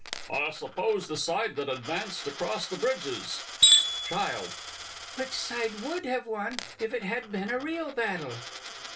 I suppose the side that advanced across the bridges. CHILD. Which side would have won if it had been a real battle?